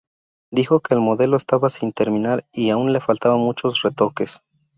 Dijo que el modelo estaba sin terminar y aún le faltaban muchos retoques.